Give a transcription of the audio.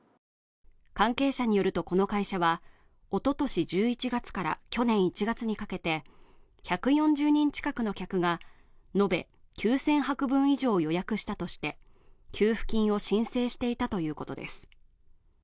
関係者によるとこの会社はおととし１１月から去年１月にかけて１４０人近くの客が延べ９０００泊分以上予約したとして給付金を申請していたということです